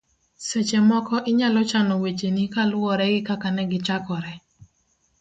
seche moko inyalo chano wecheni kaluwore gi kaka ne gichakore